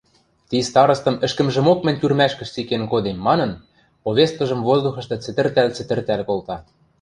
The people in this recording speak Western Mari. – Ти старостым ӹшкӹмжӹмок мӹнь тюрьмӓшкӹ цикен кодем! – манын, повесткыжым воздухышты цӹтӹртӓл-цӹтӹртӓл колта.